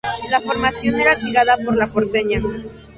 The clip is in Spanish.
La formación era tirada por La Porteña.